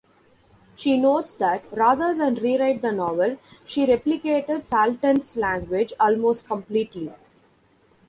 She notes that rather than rewrite the novel, she replicated Salten's language almost completely.